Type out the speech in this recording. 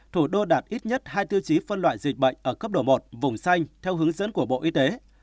thủ đô đạt ít nhất hai tiêu chí phân loại dịch bệnh ở cấp độ một vùng xanh theo hướng dẫn của bộ y tế